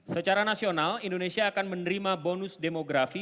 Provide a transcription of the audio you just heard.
secara nasional indonesia akan menerima bonus demografi